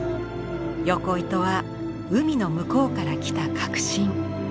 横糸は海の向こうから来た革新。